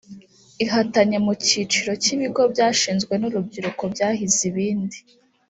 Ihatanye mu cyiciro cy’ibigo byashinzwe n’urubyiruko byahize ibindi